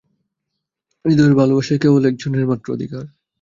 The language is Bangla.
হৃদয়ের ভালবাসায় কেবল একজনের মাত্র অধিকার।